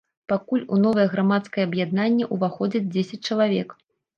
Пакуль у новае грамадскае аб'яднанне ўваходзяць дзесяць чалавек.